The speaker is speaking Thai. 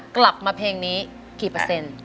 กลับมาเพลงนี้กี่เปอร์เซ็นต์